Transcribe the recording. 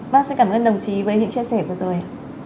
bác sẽ cảm ơn đồng chí với những chia sẻ vừa rồi